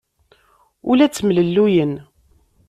Ur la ttemlelluyen.